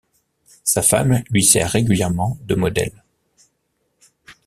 Sa femme lui sert régulièrement de modèle.